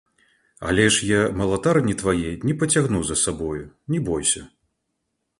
Але ж я малатарні твае не пацягну за сабою, не бойся.